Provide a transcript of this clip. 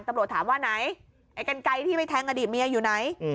ตำรวจถามว่าไหนไอ้กันไกลที่ไปแทงอดีตเมียอยู่ไหน